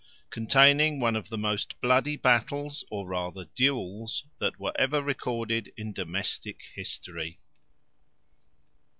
Containing one of the most bloody battles, or rather duels, that were ever recorded in domestic history.